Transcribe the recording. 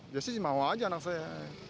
ya sih mau aja anak saya